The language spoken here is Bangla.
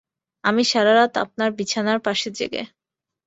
আমি সারা রাত আপনার বিছানার পাশে জেগে।